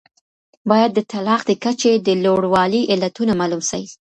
باید د طلاق د کچې د لوړوالي علتونه معلوم سي.